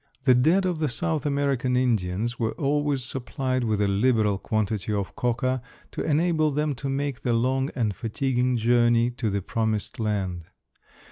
The dead of the South American Indians were always supplied with a liberal quantity of coca to enable them to make the long and fatiguing journey to the promised land.